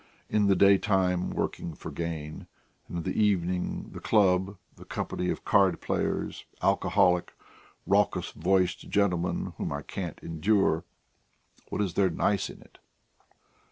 In the daytime working for gain, and in the evening the club, the company of card players, alcoholic, raucous voiced gentlemen whom I can't endure. What is there nice in it?"